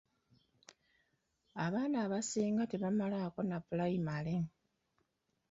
Abaana abasinga tebamalaako na pulayimale.